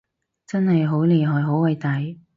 真係好厲害好偉大